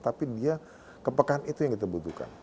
tapi dia kepekaan itu yang kita butuhkan